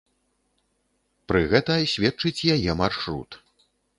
Пры гэта сведчыць яе маршрут.